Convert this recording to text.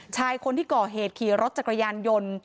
ชายคนที่ก่อเหตุขี่รถจักรยานยนต์